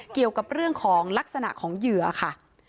เกี่ยวกับเรื่องของลักษณะของเหยื่อค่ะ